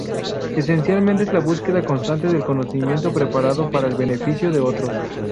Esencialmente, es la búsqueda constante de conocimiento preparado para el beneficio de otros.